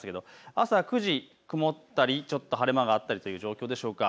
朝９時、曇ったりちょっと晴れ間があったりという状況でしょうか。